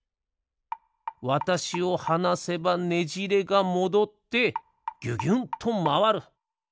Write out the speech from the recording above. わたしをはなせばねじれがもどってぎゅぎゅんとまわる。